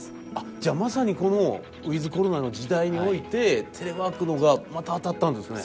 じゃあまさにこのウィズコロナの時代においてテレワークのがまた当たったんですね。